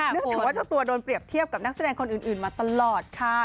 จากว่าเจ้าตัวโดนเปรียบเทียบกับนักแสดงคนอื่นมาตลอดค่ะ